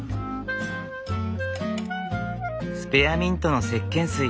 スペアミントのせっけん水。